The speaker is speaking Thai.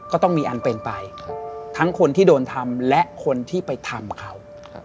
ก็ต้องมีอันเป็นไปทั้งคนที่โดนทำและคนที่ไปทำเขา